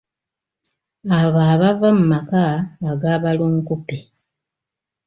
Abo abava mu maka aga balunkupe.